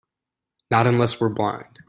Not unless we're blind.